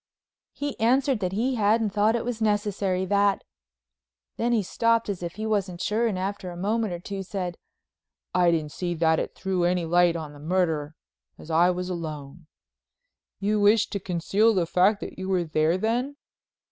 He answered "that he hadn't thought it was necessary—that——" then he stopped as if he wasn't sure and after a moment or two said: "I didn't see that it threw any light on the murder, as I was alone." "You wished to conceal the fact that you were there, then?"